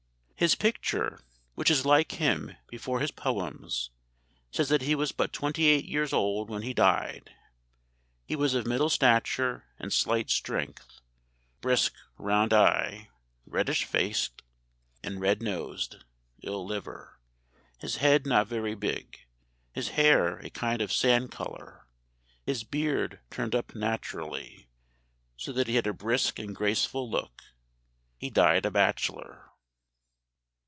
] "His picture, which is like him, before his poems, says that he was but twenty eight years old when he dyed. He was of middle stature and slight strength, brisque round eie, reddish fac't, and red nosed (ill liver), his head not very big, his hayre a kind of sand colour, his beard turn'd up naturally, so that he had a brisk and graceful looke. He died a batchelour."